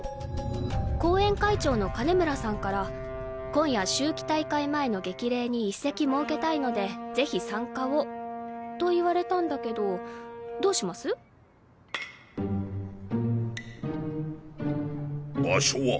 後援会長の金村さんから今夜秋季大会前の激励に一席設けたいのでぜひ参加をと言われたんだけどどうします？場所は？